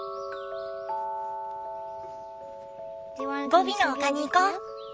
ゴビの丘に行こう。